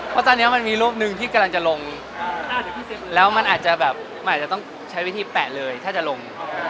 วัดตามน้ำมันมีรวมหนึ่งที่การจะลงแล้วมันอาจจะแบบมันจะต้องใช้วิธีแตะเลยถ้าจะหลง